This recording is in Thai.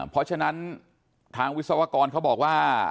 เพราะฉะนั้นทางวิศวกรเขาบอกว่า